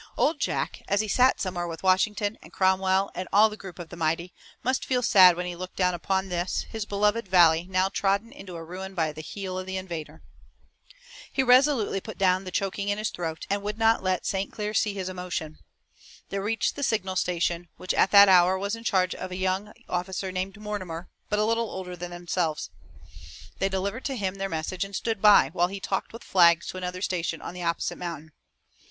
Old Jack, as he sat somewhere with Washington and Cromwell and all the group of the mighty, must feel sad when he looked down upon this, his beloved valley, now trodden into a ruin by the heel of the invader. He resolutely put down the choking in his throat, and would not let St. Clair see his emotion. They reached the signal station, which at that hour was in charge of a young officer named Mortimer, but little older than themselves. They delivered to him their message and stood by, while he talked with flags to another station on the opposite mountain.